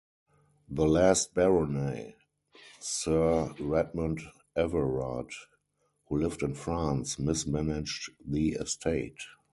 The last Baronet, Sir Redmond Everard, who lived in France, mismanaged the estate.